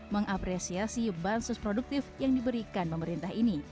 mengapresiasi bansos produktif yang diberikan pemerintah ini